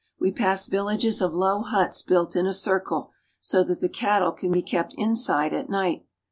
We pass vil lages of low huts built in a circle, so that the cattle can be kept inside at night.